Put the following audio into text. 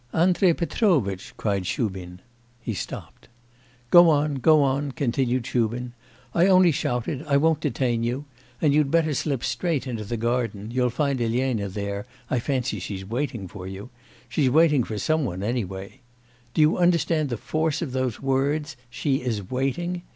'Andrei Petrovitch!' cried Shubin. He stopped. 'Go on, go on,' continued Shubin, 'I only shouted, I won't detain you and you'd better slip straight into the garden you'll find Elena there, I fancy she's waiting for you... she's waiting for some one anyway.... Do you understand the force of those words: she is waiting!